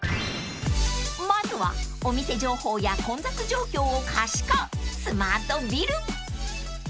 ［まずはお店情報や混雑状況を可視化スマートビル］